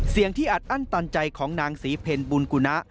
เสียงที่อัดอั้นตันใจของนางศรีเพลบุญกุณะ